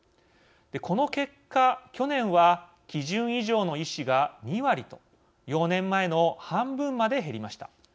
この結果、去年は基準以上の医師が２割と４年前の半分まで減りました。